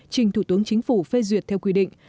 trình thủ tướng chính phủ phê duyệt theo quy định